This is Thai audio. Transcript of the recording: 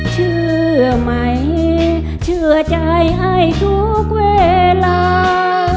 เชื่อไหมเชื่อใจให้ทุกเวลา